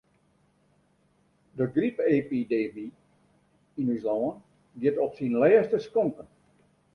De grypepidemy yn ús lân giet op syn lêste skonken.